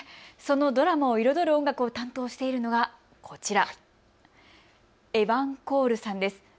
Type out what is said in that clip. そのドラマを彩る音楽を担当しているのがこちら、エバン・コールさんです。